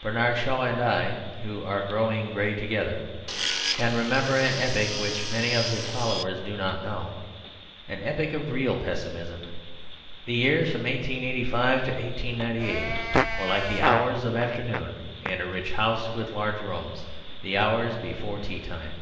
Bernard Shaw and I (who are growing grey together) can remember an epoch which many of his followers do not know: an epoch of real pessimism. The years from 1885 to 1898 were like the hours of afternoon in a rich house with large rooms; the hours before tea time.